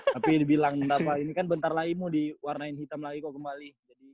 tapi dibilang ini kan bentar lagi mau diwarnain hitam lagi kok kembali